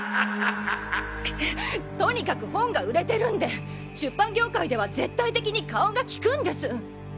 とにかく本が売れてるんで出版業界では絶対的に顔が利くんです！